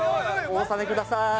お納めください。